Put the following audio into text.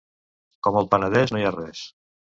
Com el Penedès no hi ha res